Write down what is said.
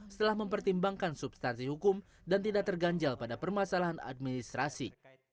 setelah mempertimbangkan substansi hukum dan tidak terganjal pada permasalahan administrasi